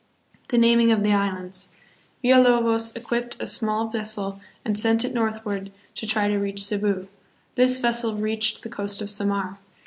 The Naming of the Islands. Villalobos equipped a small vessel and sent it northward to try to reach Cebu. This vessel reached the coast of Samar.